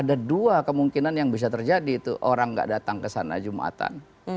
ada dua kemungkinan yang bisa terjadi itu orang gak datang kesana jumatan